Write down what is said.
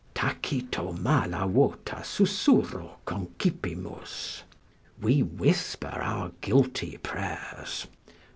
"Tacito mala vota susurro Concipimus." ["We whisper our guilty prayers."